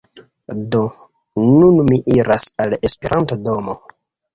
Do, nun mi iras al la Esperanto-domo